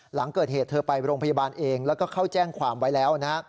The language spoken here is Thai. หลังเกิดเหตุเธอไปโรงพยาบาลเองแล้วก็เข้าแจ้งความไว้แล้วนะฮะ